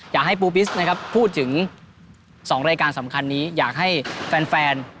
อยากให้ปูปิสนะครับพูดถึง๒รายการสำคัญนี้อยากให้แฟน